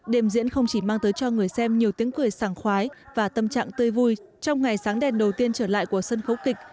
điểm diễn không chỉ mang tới cho người xem nhiều tiếng cười sàng khoái và tâm trạng tươi vui trong ngày sáng đèn đầu tiên trở lại của sân khấu kịch